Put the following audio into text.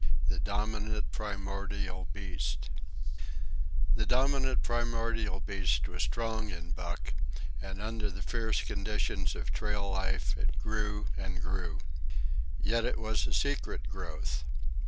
The Dominant Primordial Beast The dominant primordial beast was strong in Buck, and under the fierce conditions of trail life it grew and grew. Yet it was a secret growth.